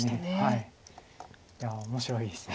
いや面白いです。